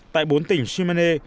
tại bốn tỉnh shimane